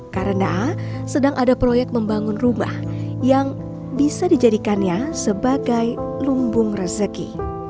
karena sedang ada proyek membangun rumah yang bisa dijadikannya sebagai lumbung rezeki